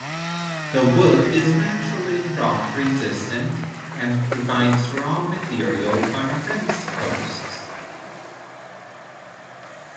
The wood is naturally rot resistant and provides raw material for fence posts.